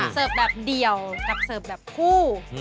เสิร์ฟแบบเดี่ยวกับเสิร์ฟแบบคู่